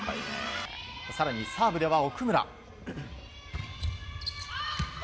更にサーブでは奥村。